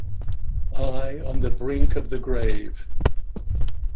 I on the brink of the grave!